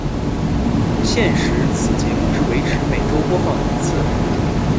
现时此节目是维持每周播放一次。